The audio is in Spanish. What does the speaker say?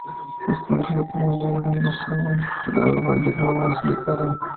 Es conocido por medio de uno de sus álbumes titulado "Bali Lounge" en solitario.